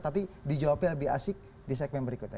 tapi dijawabnya lebih asik di segmen berikutnya